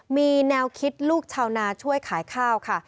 มีแนวคิดลูกชาวนาช่วยขายข้าวค่ะ